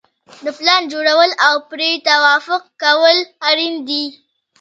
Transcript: د پلان جوړول او پرې توافق کول اړین دي.